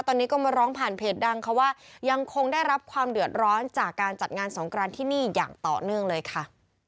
ตอนนี้ก็มาร้องผ่านเพจดังเขาว่ายังคงได้รับความเดือดร้อนจากการจัดงานสงกรานที่นี่อย่างต่อเนื่องเลยค่ะ